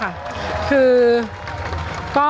อย่างที่บอกไปว่าเรายังยึดในเรื่องของข้อ